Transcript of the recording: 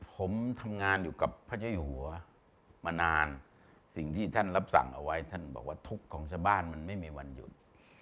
ผมทำงานอยู่กับพระเจ้าอยู่หัวมานานสิ่งที่ท่านรับสั่งเอาไว้ท่านบอกว่าทุกข์ของชาวบ้านมันไม่มีวันหยุด